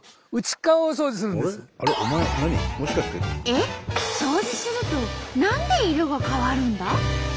えっ？掃除すると何で色が変わるんだ？